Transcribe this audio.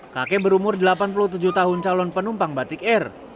kakek berumur delapan puluh tujuh tahun calon penumpang batik air